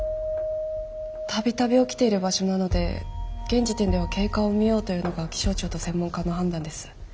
度々起きている場所なので現時点では経過を見ようというのが気象庁と専門家の判断です。